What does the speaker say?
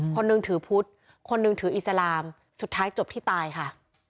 คนหนึ่งถือพุทธคนหนึ่งถืออิสลามสุดท้ายจบที่ตายค่ะ